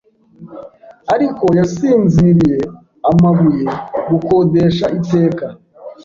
Ariko yasinziriye amabuye gukodesha Iteka